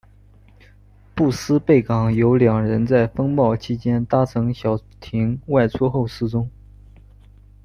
布斯贝港有两人在风暴期间搭乘小艇外出后失踪。